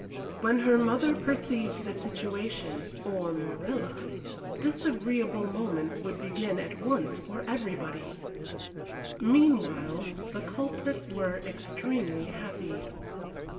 When her mother perceived the situation or Morella disagreeable moments would begin at once for everybody! Meanwhile, the culprits were extremely happy.